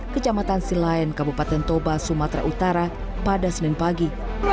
kecamatan silain kabupaten toba sumatera utara pada senin pagi